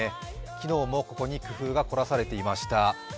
昨日もここに工夫が凝らされていました。